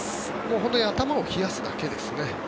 本当に頭を冷やすだけですね。